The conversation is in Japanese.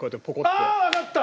ああわかった！